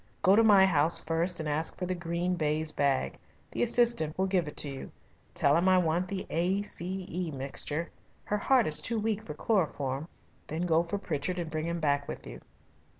Go to my house first and ask for the green baize bag. The assistant will give it to you. Tell him I want the A. C. E. mixture. Her heart is too weak for chloroform. Then go for Pritchard and bring him back with you."